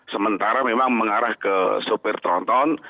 sementara memang mengarah ke sopir tronton